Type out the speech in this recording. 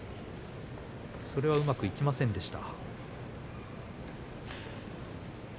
それがうまくいきませんでした。